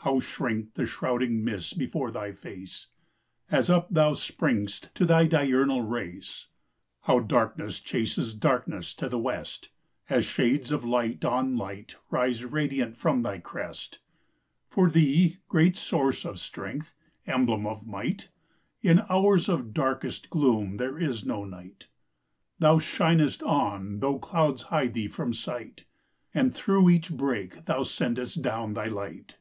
How shrink the shrouding mists before thy face, As up thou spring st to thy diurnal race! How darkness chases darkness to the west, As shades of light on light rise radiant from thy crest! For thee, great source of strength, emblem of might, In hours of darkest gloom there is no night. Thou shinest on though clouds hide thee from sight, And through each break thou sendest down thy light.